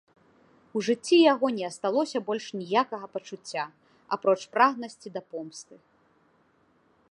У жыцці яго не асталося больш ніякага пачуцця, апроч прагнасці да помсты.